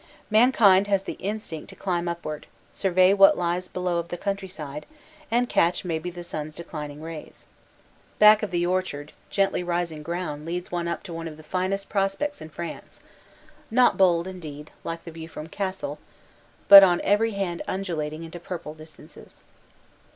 Mankind has the instinct to climb upward, survey what lies below of the countryside, and catch maybe the sun s declin ing rays. Back of the orchard gently rising ground leads one up to one of the finest prospects in France ; not bold indeed, like the view from Cassel, but on every hand undulating into purple distances.